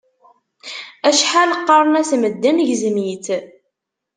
Acḥal qqaren-as medden gzem-itt.